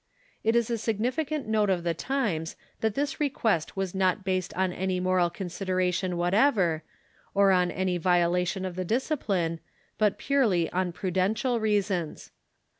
It is a significant note of the times that this request was not based on any moral consideration whatever, or on any viola tion of the Discipline, but purely on prudential reasons.